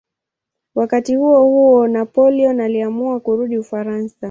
Wakati huohuo Napoleon aliamua kurudi Ufaransa.